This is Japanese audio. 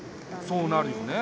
そうなるよね。